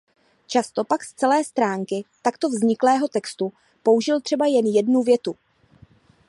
Často pak z celé stránky takto vzniklého textu použil třeba jen jednu větu.